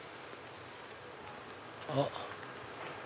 あっ。